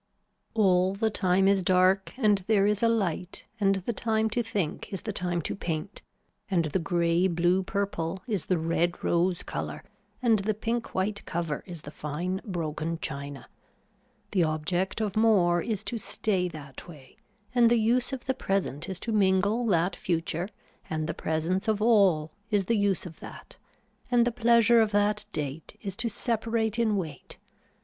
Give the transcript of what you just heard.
All the time is dark and there is a light and the time to think is the time to paint and the grey blue purple is the red rose color and the pink white cover is the fine broken china. The object of more is to stay that way and the use of the present is to mingle that future and the presence of all is the use of that and the pleasure of that date is to separate in weight.